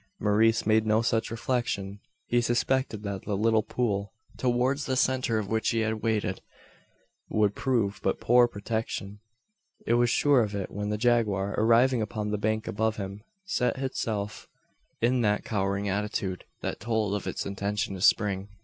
Maurice made no such reflection. He suspected that the little pool, towards the centre of which he had waded, would prove but poor protection. He was sure of it when the jaguar, arriving upon the bank above him, set itself in that cowering attitude that told of its intention to spring.